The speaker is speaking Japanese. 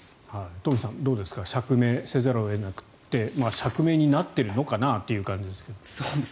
東輝さん、どうですか釈明せざるを得なくって釈明になっているのかなという感じですけども。